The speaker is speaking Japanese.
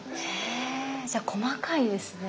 へぇじゃあ細かいですね。